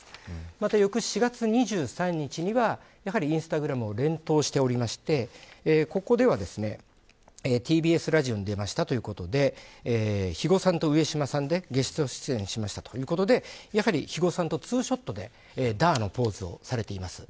また、翌４月２３日にはやはり、インスタグラムを連投していましてここではＴＢＳラジオに出ましたということで肥後さんと上島さんでゲスト出演しましたということでやはり肥後さんとツーショットでダーのポーズをされていました。